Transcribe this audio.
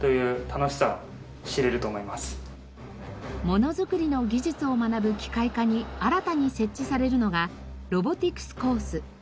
ものづくりの技術を学ぶ機械科に新たに設置されるのがロボティクスコース。